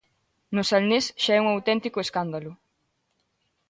No Salnés xa é un auténtico escándalo.